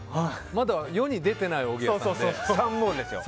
まだ世に出ていないおぎやさんで。